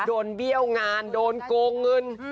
เบี้ยวงานโดนโกงเงิน